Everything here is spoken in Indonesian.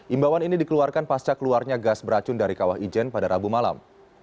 imbauan ini dikeluarkan pasca keluarnya gas beracun dari kawah ijen pada rabu malam